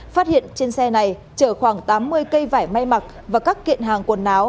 phát hiện trên xe này chở khoảng tám mươi cây vải may mặc và các kiện hàng quần áo